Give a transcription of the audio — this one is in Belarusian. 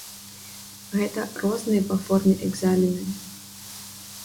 Гэта розныя па форме экзамены.